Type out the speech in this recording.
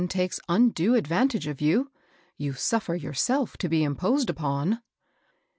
takes undue advantage of you, — you suflFer your self to be imposed upon."